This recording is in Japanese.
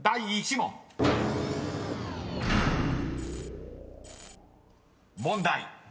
［問題］